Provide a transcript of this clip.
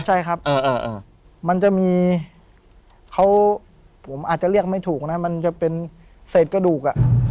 ใช่ครับมันจะมีเขาผมอาจจะเรียกไม่ถูกนะมันจะเป็นเศษกระดูก